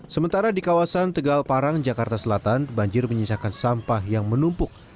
sementara di kawasan tegal parang jakarta selatan banjir menyisakan sampah yang menumpuk